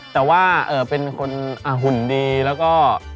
แต่ว่าเป็นคนหุ่นดีแล้วก็